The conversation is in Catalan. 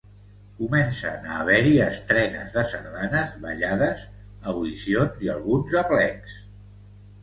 Comencen a haver-hi estrenes de sardanes, ballades, audicions i alguns aplecs.